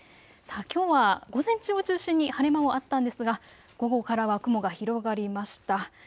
きょうは午前中を中心に晴れ間もあったんですが午後からは雲が広がりました。